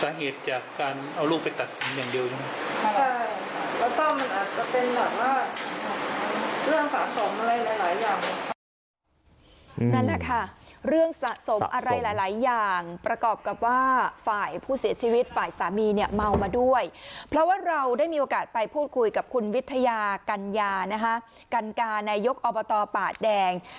นั่นแหละค่ะเรื่องสะสมอะไรหลายอย่างประกอบกับว่าฝ่ายผู้เสียชีวิตฝ่ายสามีเนี่ยเมามาด้วยเพราะว่าเราได้มีโอกาสไปพูดคุยกับคุณวิทยากัญญานะคะกัญญานายกอบตป่าแดง